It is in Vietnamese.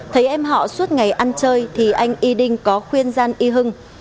thấy em họ suốt ngày ăn chơi thì anh y đinh có khuyên gian y hưng